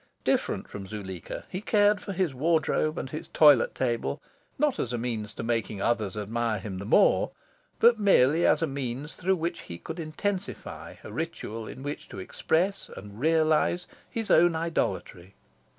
Different from Zuleika, he cared for his wardrobe and his toilet table not as a means to making others admire him the more, but merely as a means through which he could intensify, a ritual in which to express and realise, his own idolatry.